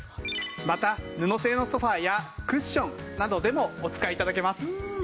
また布製のソファやクッションなどでもお使い頂けます。